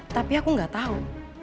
tapi aku gak tahu